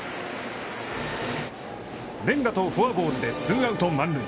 連打とフォアボールでツーアウト、満塁。